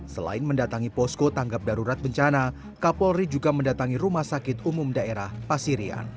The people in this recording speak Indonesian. selain mendatangi posko tanggap darurat bencana kapolri juga mendatangi rumah sakit umum daerah pasirian